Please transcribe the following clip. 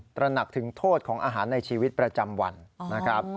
ตระหนักถึงโทษของอาหารในชีวิตประจำวันนะครับ